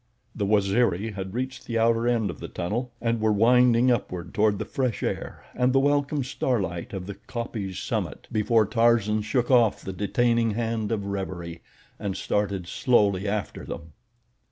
The Waziri had reached the outer end of the tunnel, and were winding upward toward the fresh air and the welcome starlight of the kopje's summit, before Tarzan shook off the detaining hand of reverie and started slowly after them.